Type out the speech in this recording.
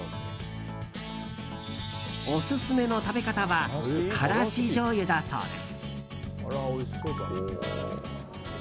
オススメの食べ方はからしじょうゆだそうです。